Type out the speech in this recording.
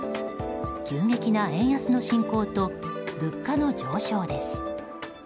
急激な円安の進行と物価の上昇です。